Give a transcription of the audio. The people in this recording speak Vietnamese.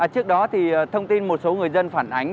trước đó thông tin một số người dân phản ánh